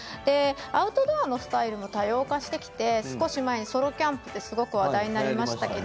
アウトドアのスタイルも多様化してきてソロキャンプというのがすごく話題になりました。